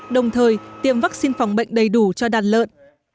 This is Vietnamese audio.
đồng thời tiêm vắc xin phòng bệnh đầy đủ cho đàn lợn